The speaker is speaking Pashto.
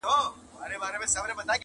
زه سجدې ته وم راغلی تا پخپله یم شړلی،